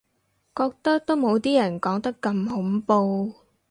覺得都冇啲人講得咁恐怖